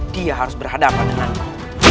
dia harus berhadapan denganku